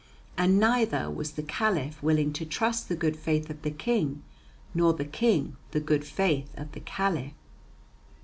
And neither was the Caliph willing to trust the good faith of the King, nor the King the good faith of the Caliph.